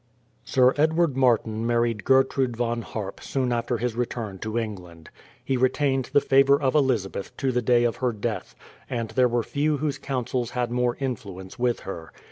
Sir Edward Martin married Gertrude Von Harp soon after his return to England. He retained the favour of Elizabeth to the day of her death, and there were few whose counsels had more influence with her.